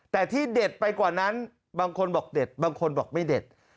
แต่ที่เด็ดไปกว่านั้นบางคนบอกเด็ดบางคนบอกไม่เด็ด